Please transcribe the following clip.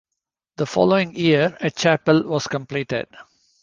The following year a chapel was completed.